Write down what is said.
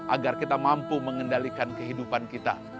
agar kita mampu mengendalikan kehidupan kita